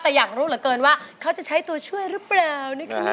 แต่อยากรู้เหลือเกินว่าเขาจะใช้ตัวช่วยหรือเปล่านะคะ